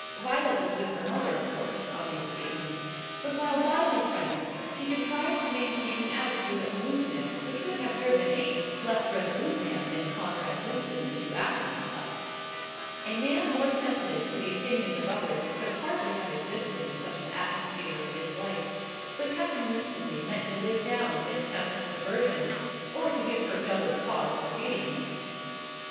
Violet was with her mother, of course, on these occasions; but, while bodily present, she contrived to maintain an attitude of aloofness which would have driven a less resolute man than Conrad Winstanley to absent himself. A man more sensitive to the opinions of others could hardly have existed in such an atmosphere of dislike; but Captain Winstanley meant to live down Miss Tempest's aversion, or to give her double cause for hating him.